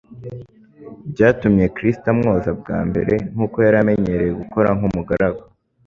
byatumye Kristo amwoza bwa mbere, nk'uko yari amenyereye gukora nk'umugaragu.